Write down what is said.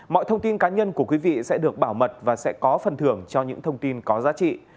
mọi thông tin cá nhân của quý vị sẽ được bảo mật và sẽ có phần thưởng cho những thông tin có giá trị